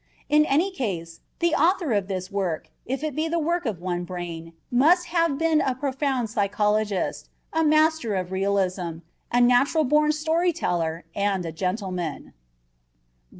In any case, the author of this work, if it be the work of one brain, must have been a profound psychologist, a master of realism, a natural born story teller, and a gentleman.